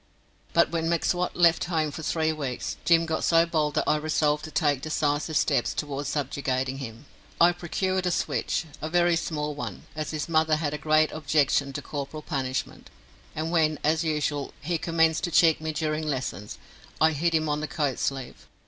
But when M'Swat left home for three weeks Jim got so bold that I resolved to take decisive steps towards subjugating him. I procured a switch a very small one, as his mother had a great objection to corporal punishment and when, as usual, he commenced to cheek me during lessons, I hit him on the coat sleeve.